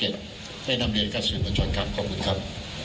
ได้นำเรียนกับสื่อมวลชนครับขอบคุณครับ